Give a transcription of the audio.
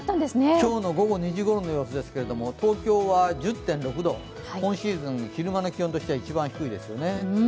今日午後２時ごろの様子ですが、東京は１０．６度、今シーズン昼間の気温としては一番低いですよね。